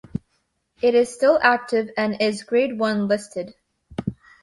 It is still active, and is Grade One listed.